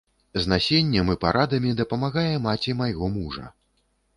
З насеннем і парадамі дапамагае маці майго мужа.